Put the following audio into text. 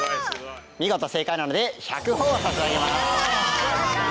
見事正解なので１００ほぉを差し上げます。